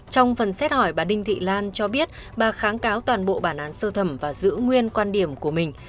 trong phần xét hỏi bà đinh thị lan cho biết bà kháng cáo toàn bộ bản án sơ thẩm và giữ nguyên quan điểm của mình